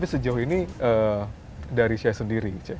sejauh ini dari saya sendiri